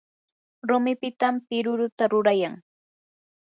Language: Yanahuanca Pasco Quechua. rumipitam piruruta rurayan.